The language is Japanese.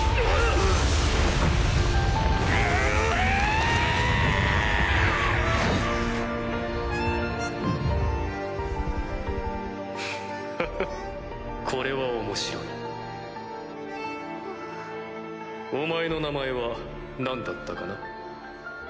フッフフこれは面白いお前の名前は何だったかな？